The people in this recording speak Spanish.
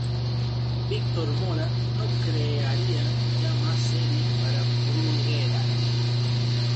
Víctor Mora no crearía ya más series para Bruguera.